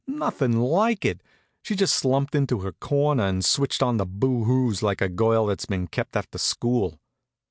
Nothin' like it. She just slumped into her corner and switched on the boo hoos like a girl that's been kept after school.